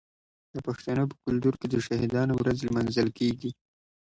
د پښتنو په کلتور کې د شهیدانو ورځ لمانځل کیږي.